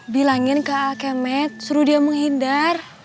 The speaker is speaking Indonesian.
bilangin ke alkemed suruh dia menghindar